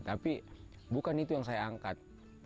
tapi bukan itu yang saya angkat